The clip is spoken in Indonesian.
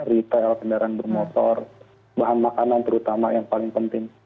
retail kendaraan bermotor bahan makanan terutama yang paling penting